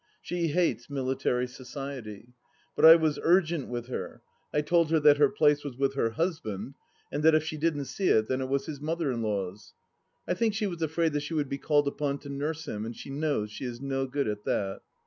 She hates military society. But I was urgent with her. I told her that her place was with her husband, and that if she didn't see it, then it was his mother in law's 1 I think she was afraid that she would be called upon to nurse him, and she knows she is no good at that.